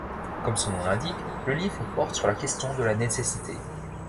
Comme son nom l'indique le livre porte sur la question de la nécessité.